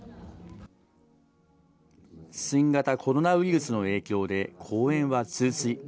新型コロナウイルスの影響で公演は中止。